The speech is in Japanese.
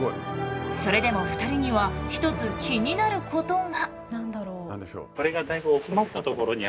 それでも２人には一つ気になることが。